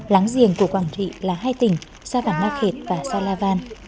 láng giềng của quảng trị là hai tỉnh sa văn ma khệt và sa la van